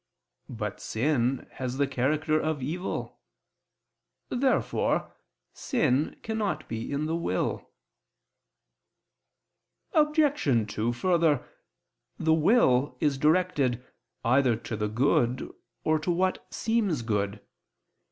But sin has the character of evil. Therefore sin cannot be in the will. Obj. 2: Further, the will is directed either to the good or to what seems good.